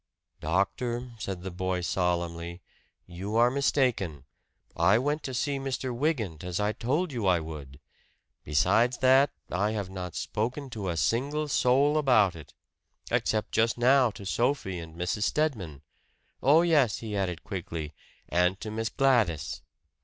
"Doctor," said the boy solemnly, "you are mistaken. I went to see Mr. Wygant, as I told you I would. Besides that, I have not spoken to a single soul about it, except just now to Sophie and Mrs. Stedman. Oh, yes," he added quickly "and to Miss Gladys!"